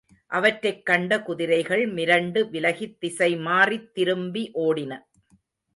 அவற்றைக் கண்ட குதிரைகள், மிரண்டு விலகித் திசைமாறித் திரும்பி ஓடின.